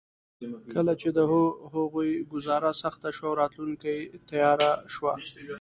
کله چې د هغوی ګوزاره سخته شوه او راتلونکې تياره شوه.